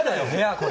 これ。